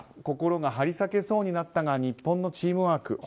心が張り裂けそうになったが日本のチームワーク